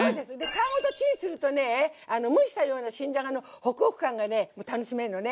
皮ごとチンするとね蒸したような新じゃがのホクホク感がね楽しめるのね！